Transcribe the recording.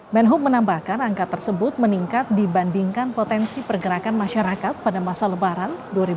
menhub menambahkan angka tersebut meningkat dibandingkan potensi pergerakan masyarakat pada masa lebaran dua ribu dua puluh